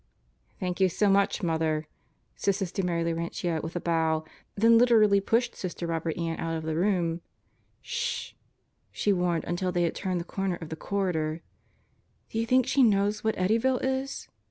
"Thank you so much, Mother," said Sister Mary Laurentia with a bow, then literally pushed Sister Robert Ann out of the room. "Sh!" ... she warned until they had turned the corner of the corridor. "Do you think she knows what Eddyville is?"